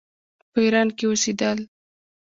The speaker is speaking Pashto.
په ایران کې اوسېدل.